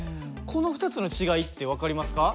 この２つの違いって分かりますか？